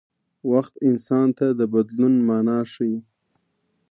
وخت انسان ته د بدلون مانا ښيي.